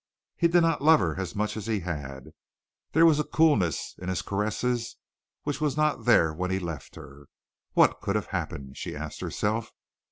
He did not love her as much as he had. There was a coolness in his caresses which was not there when he left her. What could have happened, she asked herself.